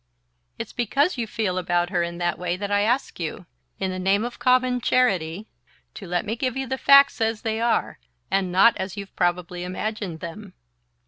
"It's because you feel about her in that way that I ask you in the name of common charity to let me give you the facts as they are, and not as you've probably imagined them."